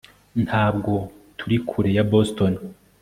ntabwo turi kure ya boston